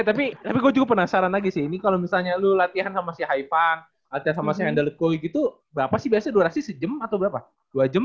he tapi tapi gue cukup penasaran lagi sih ini kalo misalnya lu latihan sama si haifat latihan sama si hendel kun gitu berapa sih biasa durasi sejam atau berapa dua jam